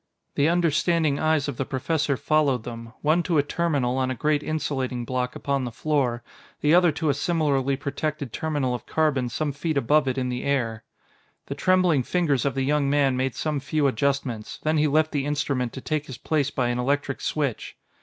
The understanding eyes of the Professor followed them, one to a terminal on a great insulating block upon the floor, the other to a similarly protected terminal of carbon some feet above it in the air. The trembling fingers of the young man made some few adjustments, then he left the instrument to take his place by an electric switch.